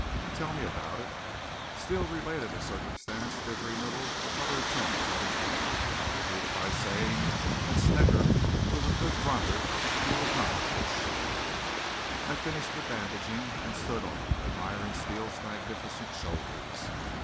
"Tell me about it." Steele related a circumstance differing little from other attempts at his life, and concluded by saying that Snecker was a good runner if he was not a good shot. I finished the bandaging and stood off, admiring Steele's magnificent shoulders.